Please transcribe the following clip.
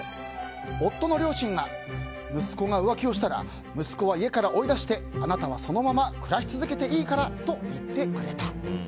夫の両親が息子が浮気をしたら息子は家から追い出してあなたはそのまま暮らし続けていいからと言ってくれた。